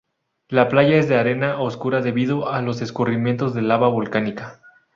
La playa es de arena oscura debido a los escurrimientos de lava volcánica.